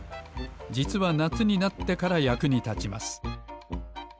じつはなつになってからやくにたちます。